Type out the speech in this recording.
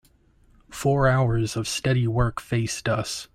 Four hours of steady work faced us.